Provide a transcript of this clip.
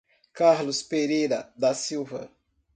Carlos Pereira da Silva